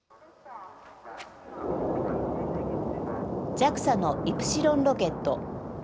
ＪＡＸＡのイプシロンロケット。